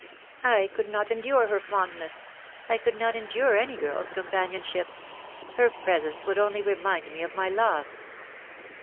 " I could not endure her fondness. I could not endure any girl's companionship. Her presence would only remind me of my loss."